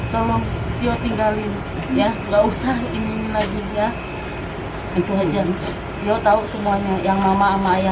tolong jauh tinggalin ya nggak usah ini lagi ya itu aja yo tahu semuanya yang mama ama ayah